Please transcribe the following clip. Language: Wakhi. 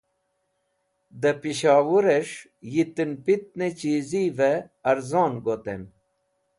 De Peshowures̃h Yitn pitne Chizive Arzon Goten